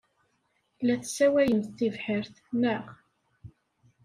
La tesswayemt tibḥirt, naɣ?